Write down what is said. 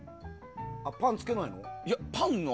パンつけないの？